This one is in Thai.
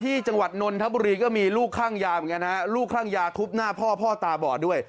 จังหวัดนนทบุรีก็มีลูกคลั่งยาเหมือนกันฮะลูกคลั่งยาทุบหน้าพ่อพ่อตาบอดด้วย